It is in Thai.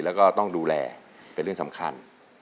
แล้วก็ต้องดูแลเป็นเรื่องสำคัญ